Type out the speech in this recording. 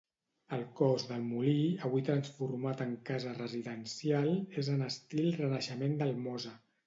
El cos del molí, avui transformat en casa residencial, és en estil renaixement del Mosa.